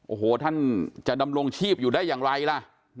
โอ้โหท่านจะดำรงชีพอยู่ได้อย่างไรล่ะ